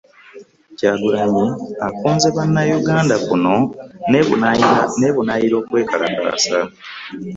Kyagulanyi akunze Bannayuganda kuno n'ebunaayira okwekalakaasa